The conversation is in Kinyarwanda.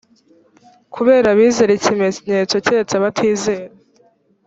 kubera abizera ikimenyetso keretse abatizera